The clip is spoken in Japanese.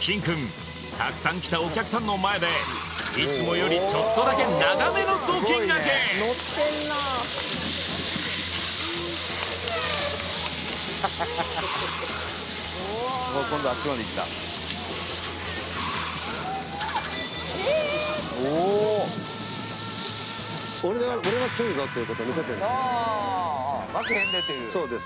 キンくんたくさん来たお客さんの前でいつもよりちょっとだけ長めの雑巾がけ・負けへんでっていうそうです